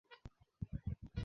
Njia ya mwongo ni fupi.